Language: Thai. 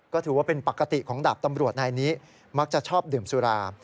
ก็ถือว่าเป็นปกติของดาบตำรวจนายนี้มักจะชอบดื่มสุรา